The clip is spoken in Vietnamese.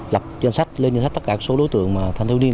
lập danh sách lên danh sách tất cả số đối tượng thanh thiếu niên